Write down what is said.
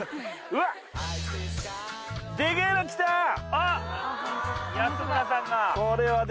あっ安村さんが。